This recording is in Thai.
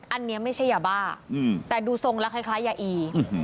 อันนี้ไม่ใช่ยาบ้าแต่ดูทรงแล้วคล้ายยาอี